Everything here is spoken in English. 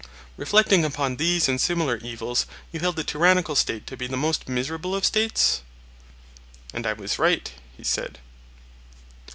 Reflecting upon these and similar evils, you held the tyrannical State to be the most miserable of States? And I was right, he said.